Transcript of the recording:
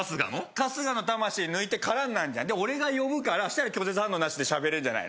春日の魂抜いて空になんじゃんで俺が呼ぶからそしたら拒絶反応なしで喋れんじゃない？